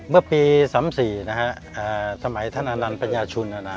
เมื่อปี๑๙๓๔สมัยท่านอาณัทปัญญาชุน